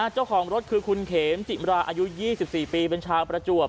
เจ้าของรถคือคุณเขมจิมราอายุ๒๔ปีเป็นชาวประจวบ